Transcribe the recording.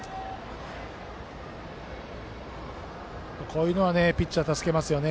こういうのはピッチャー助けますよね。